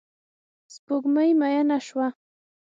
سپوږمۍ میینه شوه